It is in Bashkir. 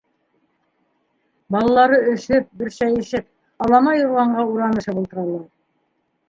Балалары өшөп, бөршәйешеп, алама юрғанға уранышып ултыралар.